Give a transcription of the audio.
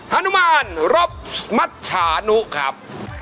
ฮนุมานรบมัชชานุครับ